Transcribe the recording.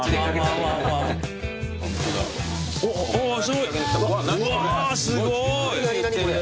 うわすごい。